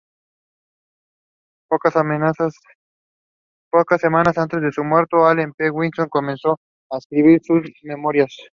Pocas semanas antes de su muerte, Allen P. Wilkinson comenzó a escribir sus memorias.